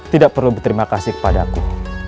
tidak perlu berterima kasih kepada aku